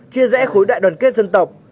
chia rẽ khối đại đoàn kết dân tộc